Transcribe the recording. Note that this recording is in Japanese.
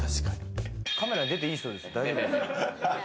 カメラに出ていい人ですよね？